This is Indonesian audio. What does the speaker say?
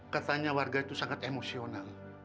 katanya warga itu sangat emosional